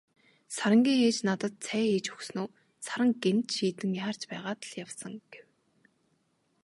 Сарангийн ээж надад цай хийж өгснөө "Саран гэнэт шийдэн яарч байгаад л явсан" гэв.